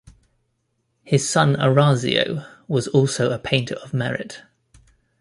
His son Orazio was also a painter of merit.